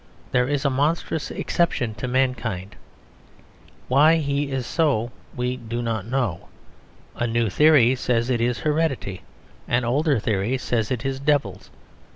There is a monstrous exception to mankind. Why he is so we know not; a new theory says it is heredity; an older theory says it is devils.